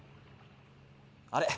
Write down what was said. あれ？